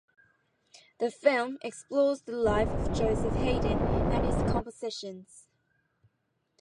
The film explores the life of Joseph Haydn and his compositions.